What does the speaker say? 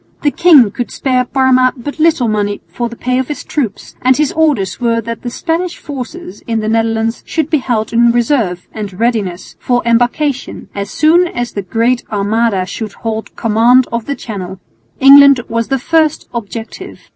The king could spare Parma but little money for the pay of his troops, and his orders were that the Spanish forces in the Netherlands should be held in reserve and readiness for embarkation, as soon as the Great Armada should hold command of the Channel. England was the first objective.